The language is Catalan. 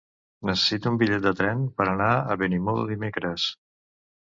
Necessito un bitllet de tren per anar a Benimodo dimecres.